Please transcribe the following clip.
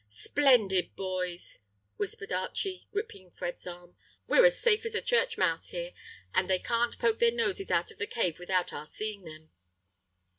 "Splendid, boys!" whispered Archie, gripping Fred's arm. "We're as safe as a church mouse here, and they can't poke their noses out of the cave without our seeing them."